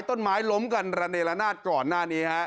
ต้นไม้ล้มกันระเนละนาดก่อนหน้านี้ฮะ